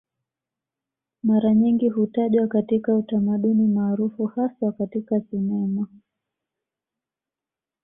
Mara nyingi hutajwa katika utamaduni maarufu haswa katika sinema